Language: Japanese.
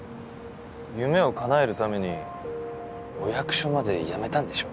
夢をかなえるためにお役所まで辞めたんでしょ？